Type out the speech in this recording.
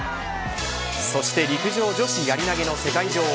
そして陸上女子やり投げの世界女王